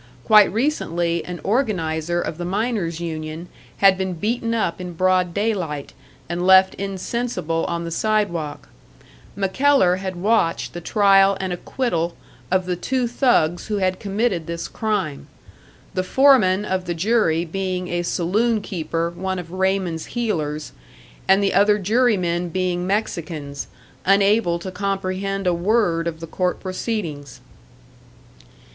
Quite recently an organiser of the miners' union had been beaten up in broad day light and left insensible on the sidewalk; MacKellar had watched the trial and acquittal of the two thugs who had committed this crime the foreman of the jury being a saloon keeper one of Raymond's heelers, and the other jurymen being Mexicans, unable to comprehend a word of the court proceedings.